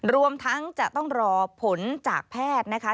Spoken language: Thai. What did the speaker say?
รวมทั้งจะต้องรอผลจากแพทย์นะคะ